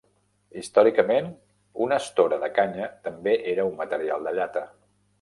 Històricament, una estora de canya també era un material de llata.